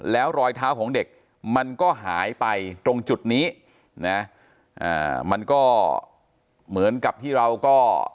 แล้วรอยเท้าของเด็กมันก็หายไปตรงจุดนี้นะมันก็เหมือนกับที่เราก็